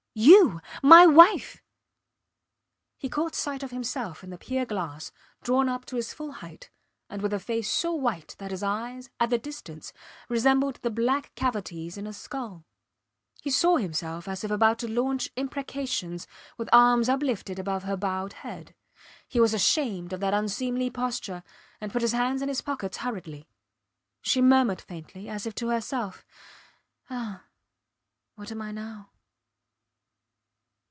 ... You! My wife! ... He caught sight of himself in the pier glass, drawn up to his full height, and with a face so white that his eyes, at the distance, resembled the black cavities in a skull. He saw himself as if about to launch imprecations, with arms uplifted above her bowed head. He was ashamed of that unseemly posture, and put his hands in his pockets hurriedly. She murmured faintly, as if to herself Ah! What am I now?